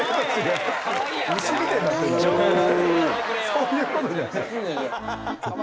そういうことじゃない。